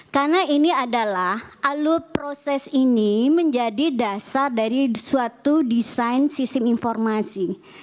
karena ini adalah alur proses ini menjadi dasar dari suatu desain sistem informasi